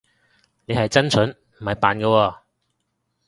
你係真蠢，唔係扮㗎喎